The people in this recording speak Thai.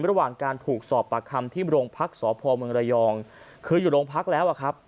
ระหว่างการผูกสอบปากคำที่บรงพักษณ์สพรยคืออยู่บรงพักษณ์แล้ว